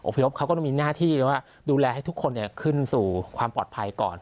พยพเขาก็ต้องมีหน้าที่ว่าดูแลให้ทุกคนขึ้นสู่ความปลอดภัยก่อน